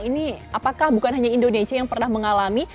ini apakah bukan hanya indonesia yang pernah mengalami